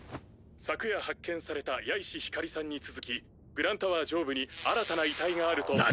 昨夜発見された矢石ヒカリさんに続きグランタワー上部に新たな遺体があると何！？